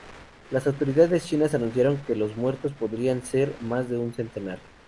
Las autoridades chinas anunciaron que los muertos podrían ser más de un centenar.